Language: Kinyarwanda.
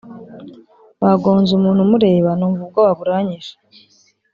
Bagonze umuntu mureba numva ubwoba buranyishe